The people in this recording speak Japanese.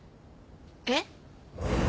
えっ？